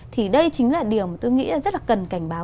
thì đây chính là điều tôi nghĩ rất là cần cảnh báo